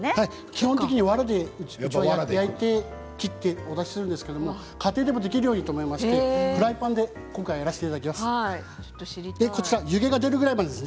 基本的にわらで焼いて切ってお出しするんですけれども家庭でもできるようにときょうはフライパンでやらせていただきます。